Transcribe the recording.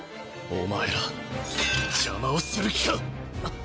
お前ら邪魔をする気か⁉あっ！